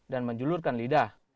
dan menjulurkan lidah